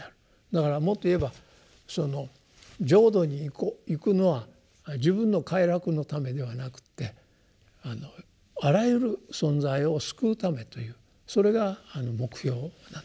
だからもっと言えば浄土に行くのは自分の快楽のためではなくってあらゆる存在を救うためというそれが目標なんですね。